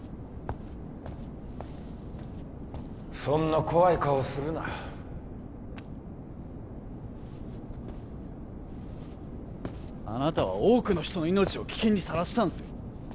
そんな怖い顔するなあなたは多くの人の命を危険にさらしたんですよ